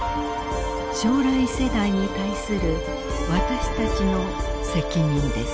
将来世代に対する私たちの責任です。